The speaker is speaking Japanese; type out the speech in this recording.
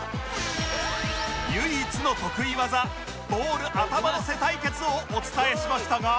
唯一の得意技ボール頭のせ対決をお伝えしましたが